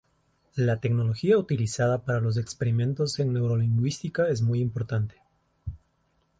La tecnología utilizada para los experimentos en neurolingüística es muy importante.